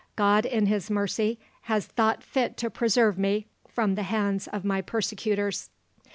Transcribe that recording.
God in His mercy has thought fit to preserve me from the hands of my persecutors!'